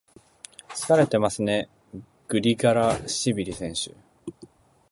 疲れてますね、グリガラシビリ選手。